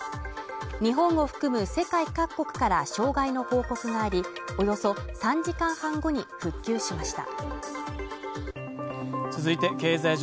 日本を含む世界各国から障害の報告があり、およそ３時間半後に復旧しました。